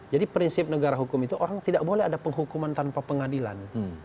jadi prinsip negara hukum itu orang tidak boleh ada penghukuman tanpa pengadilan